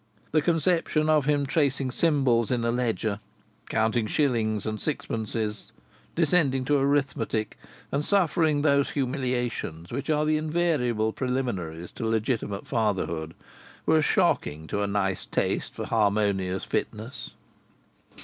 The conception of him tracing symbols in a ledger, counting shillings and sixpences, descending to arithmetic, and suffering those humiliations which are the invariable preliminaries to legitimate fatherhood, was shocking to a nice taste for harmonious fitness....